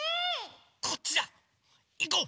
こっちだ！いこう！